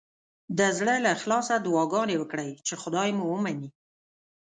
د زړه له اخلاصه دعاګانې وکړئ چې خدای مو ومني.